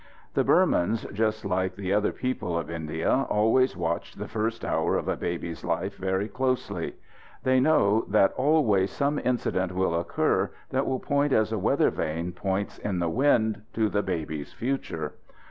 The Burmans, just like the other people of India, always watch the first hour of a baby's life very closely. They know that always some incident will occur that will point, as a weather vane points in the wind, to the baby's future.